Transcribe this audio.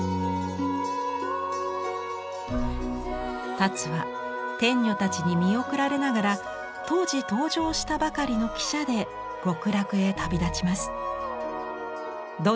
田鶴は天女たちに見送られながら当時登場したばかりの汽車で極楽へ旅立ちます。